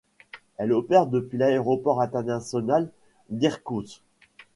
Elle opère depuis l'Aéroport international d'Irkoutsk.